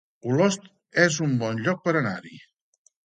Olost es un bon lloc per anar-hi